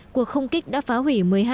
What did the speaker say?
cuộc không kích đã phá hủy một mươi hai